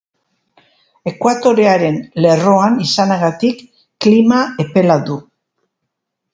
Ekuatorearen lerroan izanagatik, klima epela du.